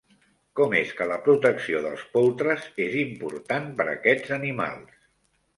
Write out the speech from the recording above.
Com és que la protecció dels poltres és important per aquests animals?